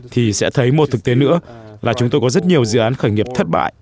thì sẽ thấy một thực tế nữa là chúng tôi có rất nhiều doanh nghiệp khởi nghiệp thất bại